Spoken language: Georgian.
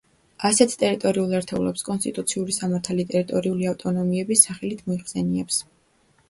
ასეთ ტერიტორიულ ერთეულებს კონსტიტუციური სამართალი ტერიტორიული ავტონომიების სახელით მოიხსენიებს.